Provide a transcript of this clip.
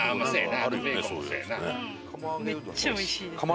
めっちゃおいしいです。